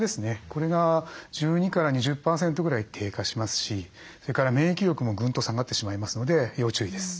これが１２２０％ぐらい低下しますしそれから免疫力もぐんと下がってしまいますので要注意です。